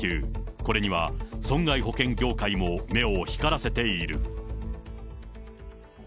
これには損害保険業界も目を光らせているという。